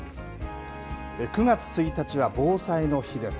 ９月１日は防災の日です。